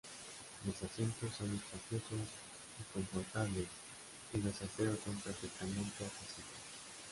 Los asientos son espaciosos y confortables, y los aseos son perfectamente accesibles.